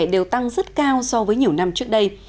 đều tăng rất cao so với nhiều năm trước đây